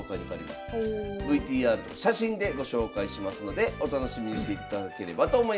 ＶＴＲと写真でご紹介しますのでお楽しみにしていただければと思います。